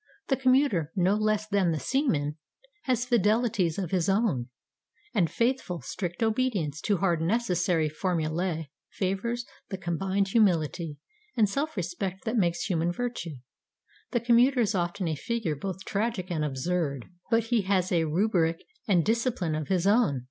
The commuter, no less than the seaman, has fidelities of his own; and faithful, strict obedience to hard necessary formulæ favours the combined humility and self respect that makes human virtue. The commuter is often a figure both tragic and absurd; but he has a rubric and discipline of his own.